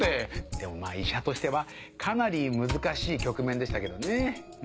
でもまぁ医者としてはかなり難しい局面でしたけどね。